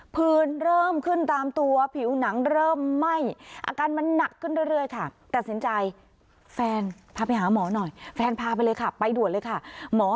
ผื่นเริ่มขึ้นตามตัวผิวหนังเริ่มไหม้